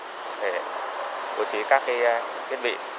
để bố trí các cái thiết bị